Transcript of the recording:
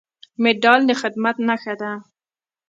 مډال د خدمت نښه ده